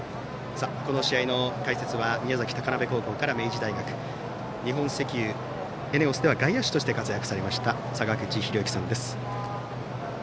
この試合の解説は宮崎・高鍋高校から明治大学日本石油ＥＮＥＯＳでは外野手として活躍されました坂口裕之さんです。